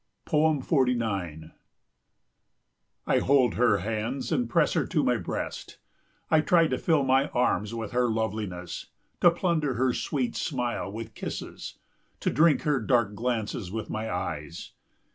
49 I hold her hands and press her to my breast. I try to fill my arms with her loveliness, to plunder her sweet smile with kisses, to drink her dark glances with my eyes.